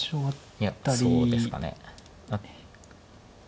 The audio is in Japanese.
いやそうですかね。